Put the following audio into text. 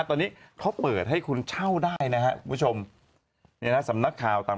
ตอนนี้เขาเปิดให้คุณเช่าได้นะครับคุณผู้ชมเนี่ยนะสำนักข่าวต่าง